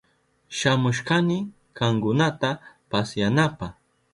Shamushkani kankunata pasyanapa.